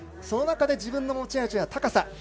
その中で自分の持ち味は高さ。